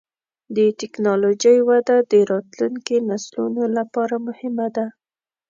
د ټکنالوجۍ وده د راتلونکي نسلونو لپاره مهمه ده.